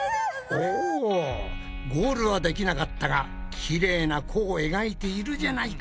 おゴールはできなかったがきれいな弧を描いているじゃないか。